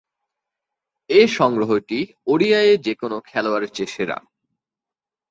এ সংগ্রহটি ওডিআইয়ে যে-কোন খেলোয়াড়ের চেয়ে সেরা।